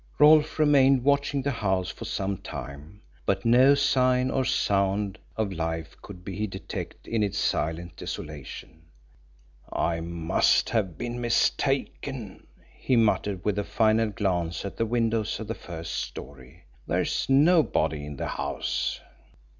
Rolfe remained watching the house for some time, but no sign or sound of life could he detect in its silent desolation. "I must have been mistaken," he muttered, with a final glance at the windows of the first story. "There's nobody in the house."